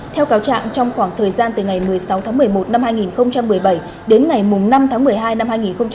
theo cáo trạng trong khoảng thời gian từ ngày một mươi sáu tháng một mươi một năm hai nghìn một mươi bảy đến ngày năm tháng một mươi hai năm hai nghìn một mươi bảy